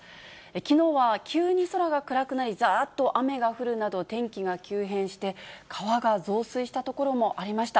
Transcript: きのうは急に空が暗くなり、ざーっと雨が降るなど、天気が急変して、川が増水した所もありました。